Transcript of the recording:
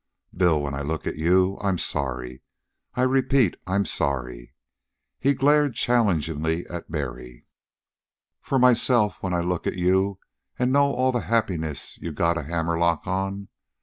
Bill, when I look at you, I'm sorry. I repeat, I'm sorry." He glared challengingly at Mary. "For myself when I look at you an' know all the happiness you got a hammerlock on.